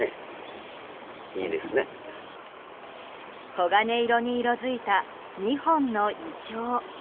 黄金に色づいた２本のイチョウ。